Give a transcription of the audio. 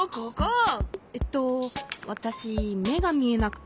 えっとわたしめがみえなくて。